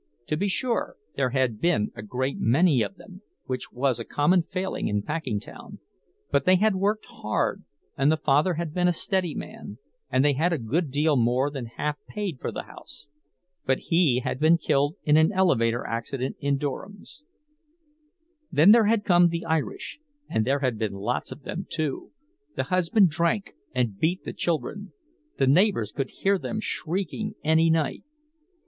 To be sure there had been a great many of them, which was a common failing in Packingtown; but they had worked hard, and the father had been a steady man, and they had a good deal more than half paid for the house. But he had been killed in an elevator accident in Durham's. Then there had come the Irish, and there had been lots of them, too; the husband drank and beat the children—the neighbors could hear them shrieking any night.